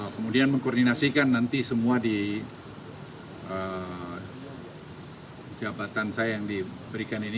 kemudian mengkoordinasikan nanti semua di jabatan saya yang diberikan ini